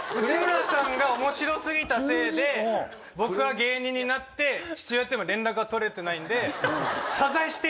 内村さんがおもしろ過ぎたせいで僕は芸人になって父親と連絡が取れてないんで。